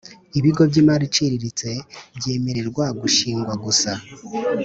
Ibigo by imari iciriritse byemererwa gushingwa gusa